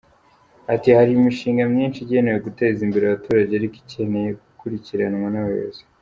Ati “Hari imishinga myinshi igenewe guteza imbere abaturage ariko ikeneye gukurikiranwa n’abayobozi.